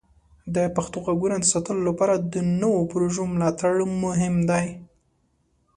د پښتو د غږونو د ساتلو لپاره د نوو پروژو ملاتړ مهم دی.